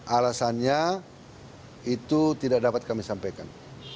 alasannya itu tidak dapat kami sampaikan